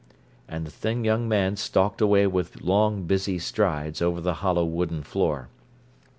And the thin young man stalked away with long, busy strides over the hollow wooden floor.